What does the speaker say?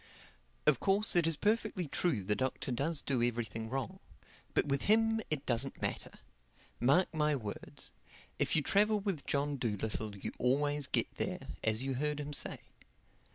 Of course it is perfectly true the Doctor does do everything wrong. But with him it doesn't matter. Mark my words, if you travel with John Dolittle you always get there, as you heard him say.